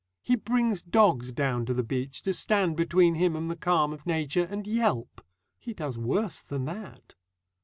He brings dogs down to the beach to stand between him and the calm of nature, and yelp. He does worse than that.